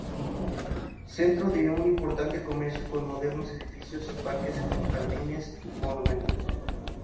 Centro de un importante comercio, con modernos edificios y parques, jardines y monumentos.